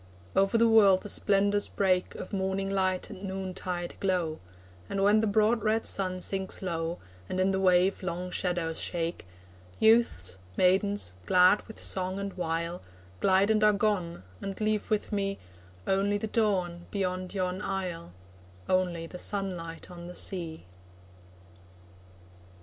Over the world the splendours break Of morning light and noontide glow, And when the broad red sun sinks low, And in the wave long shadows shake, Youths, maidens, glad with song and wile, Glide and are gone, and leave with me Only the dawn beyond yon isle, Only the sunlight on the sea.